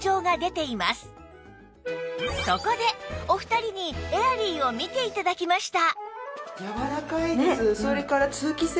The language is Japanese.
そこでお二人にエアリーを見て頂きました